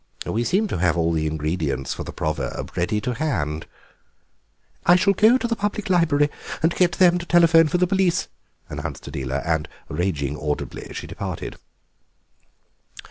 We seem to have all the ingredients for the proverb ready to hand." "I shall go to the Public Library and get them to telephone for the police," announced Adela, and, raging audibly, she departed.